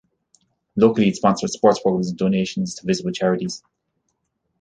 Locally it sponsored sports programs and donations to visible charities.